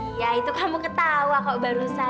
iya itu kamu ketawa kok barusan